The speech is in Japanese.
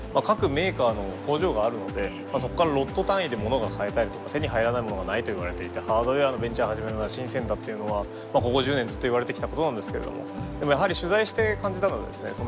各メーカーの工場があるのでそこからロット単位でものが買えたりとか手に入らないものがないといわれていてハードウェアのベンチャーを始めるのは深だっていうのはここ１０年ずっといわれてきたことなんですけれどもやはり取材して感じたのはですね